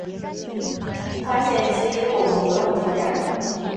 发现其实我们不用出站